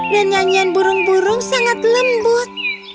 dan nyanyian burung burung sangat lembut